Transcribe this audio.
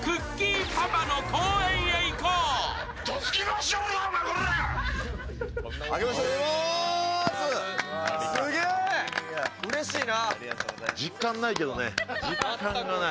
うれしいな。